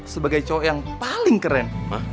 sebagai cok yang paling keren